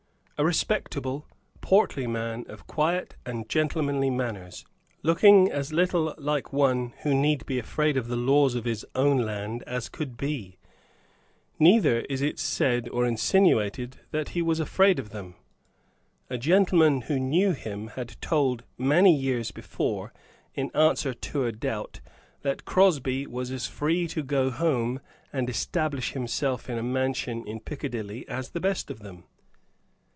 A respectable, portly man, of quiet and gentlemanly manners, looking as little like one who need be afraid of the laws of his own land as can be. Neither is it said or insinuated that he was afraid of them. A gentleman who knew him had told, many years before, in answer to a doubt, that Crosby was as free to go home and establish himself in a mansion in Piccadilly as the best of them.